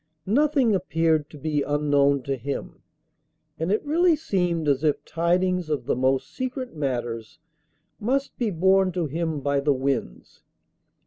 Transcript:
Nothing appeared to be unknown to him, and it really seemed as if tidings of the most secret matters must be borne to him by the winds.